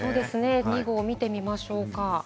２号を見てみましょう。